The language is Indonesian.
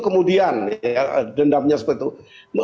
kemudian dendamnya seperti itu